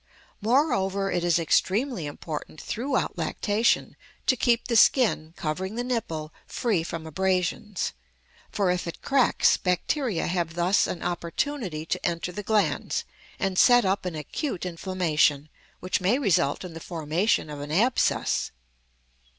Moreover, it is extremely important throughout lactation to keep the skin covering the nipple free from abrasions, for if it cracks bacteria have thus an opportunity to enter the glands and set up an acute inflammation which may result in the formation of an abscess.